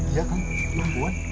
iya kak perempuan